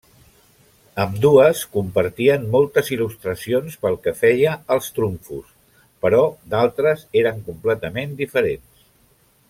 Ambdues compartien moltes il·lustracions pel que feia als trumfos, però d'altres eren completament diferents.